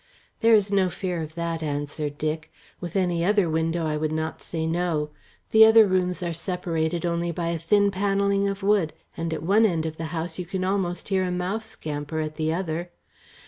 "There is no fear of that," answered Dick. "With any other window I would not say no. The other rooms are separated only by a thin panelling of wood, and at one end of the house you can almost hear a mouse scamper at the other.